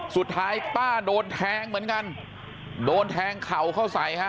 สุดท้ายป้าโดนแทงเหมือนกันโดนแทงเข่าเข้าใส่ฮะ